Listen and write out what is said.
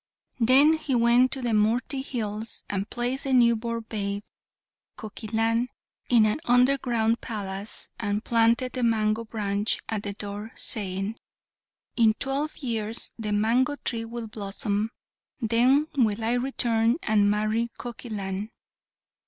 Then he went to the Murti Hills, and placed the new born babe, Kokilan, in an underground palace, and planted the mango branch at the door, saying, "In twelve years the mango tree will blossom; then will I return and marry Kokilan."